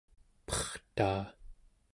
pertaa